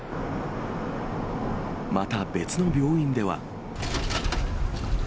また別の病院では。